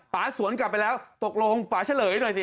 ป่าสวนกลับไปแล้วตกลงป่าเชิญให้หน่อยสิ